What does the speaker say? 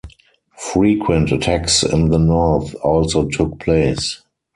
Frequent attacks in the north also took place.